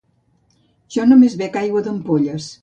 Jo només bec aigua d'ampolles